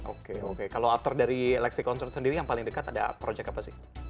oke oke kalau after dari lexi concert sendiri yang paling dekat ada proyek apa sih